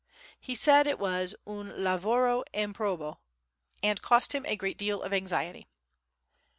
He said it was "un lavoro improbo," and cost him a great deal of anxiety.